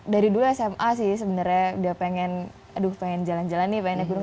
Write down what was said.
dari dulu sma sih sebenarnya udah pengen aduh pengen jalan jalan nih pengen naik gunung